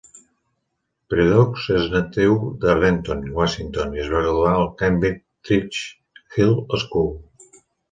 Prideaux és natiu de Renton, Washington i es va graduar a Kentridge High School.